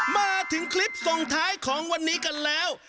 มาถึงคลิปส่งท้ายของวันนี้กันแล้ว